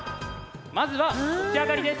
まずは起き上がりです。